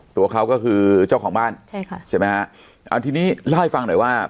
ตัวเขาก็คือเจ้าของบ้านใช่ค่ะใช่ไหมฮะอ่าทีนี้เล่าให้ฟังหน่อยว่า